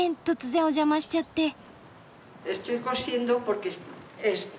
突然お邪魔しちゃって。